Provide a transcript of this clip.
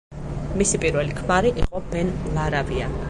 მისი პირველი ქმარი იყო ბენ ლარავია.